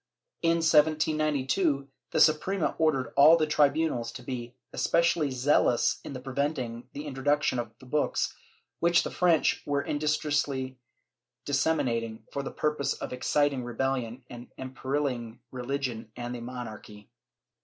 In 1792, the Suprema ordered all the tribunals to be especially zealous in preventing the intro duction of the books, which the French were industriously dissemi nating for the purpose of exciting rebelHon and imperilling religion and the monarchy.